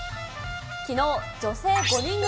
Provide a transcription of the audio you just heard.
きのう、女性５人組